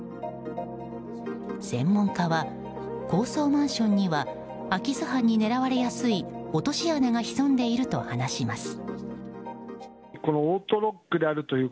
専門家は、高層マンションには空き巣犯に狙われやすい落とし穴が潜んでいると話します。